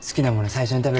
最初に食べる人？